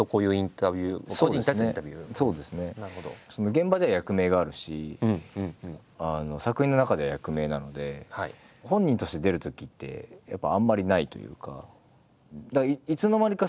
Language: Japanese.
現場では役名があるし作品の中では役名なので本人として出るときってやっぱあんまりないというか。